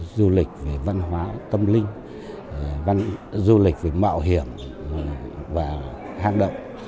du lịch về văn hóa tâm linh du lịch về mạo hiểm và hạng động